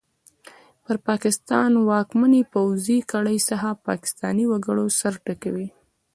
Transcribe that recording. پر پاکستان واکمنې پوځي کړۍ څخه پاکستاني وګړي سر ټکوي!